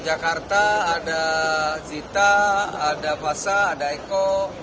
jakarta ada zita ada eko